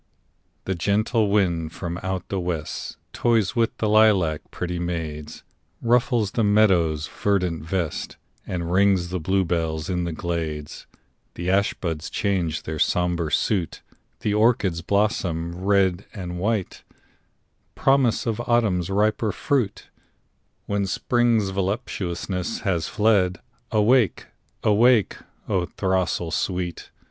The gentle wind from out the west Toys with the lilac pretty maids; Ruffles the meadow's verdant vest, And rings the bluebells in the glades; The ash buds change their sombre suit, The orchards blossom white and red— Promise of Autumn's riper fruit, When Spring's voluptuousness has fled. Awake! awake, O throstle sweet!